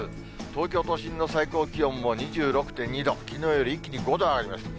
東京都心の最高気温も２６．２度、きのうより一気に５度上がりました。